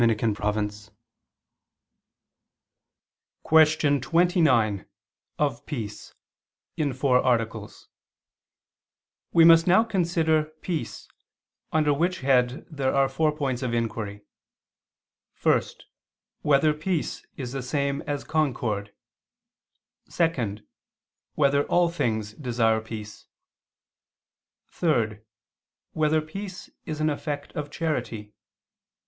_______________________ QUESTION 29 OF PEACE (Four Articles) We must now consider Peace, under which head there are four points of inquiry: (1) Whether peace is the same as concord? (2) Whether all things desire peace? (3) Whether peace is an effect of charity?